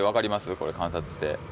これ観察して。